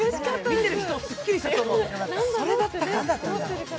見てる人もすっきりしてる、それだったかって。